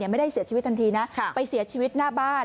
ไม่ได้เสียชีวิตทันทีนะไปเสียชีวิตหน้าบ้าน